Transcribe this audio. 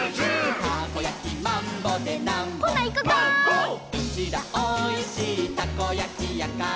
「うちらおいしいたこやきやから」